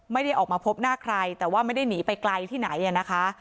ไม่ได้ออกมาพบหน้าใครแต่ว่าไม่ได้หนีไปไกลที่ไหนนะคะ